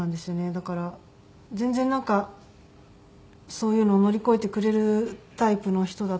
だから全然なんかそういうのを乗り越えてくれるタイプの人だと思っていたので。